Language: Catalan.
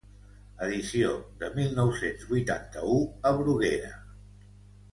Edició de mil nou-cents vuitanta-u a Bruguera.